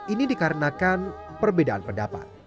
ini dikarenakan perbedaan pendapat